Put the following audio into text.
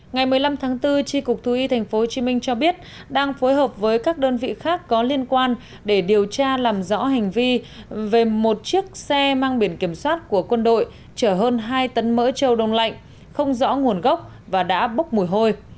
ngày một mươi năm tháng bốn tri cục thú y tp hcm cho biết đang phối hợp với các đơn vị khác có liên quan để điều tra làm rõ hành vi về một chiếc xe mang biển kiểm soát của quân đội chở hơn hai tấn mỡ trâu đông lạnh không rõ nguồn gốc và đã bốc mùi hôi